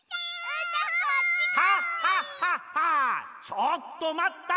ちょっとまった！